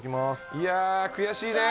いやぁ悔しいね。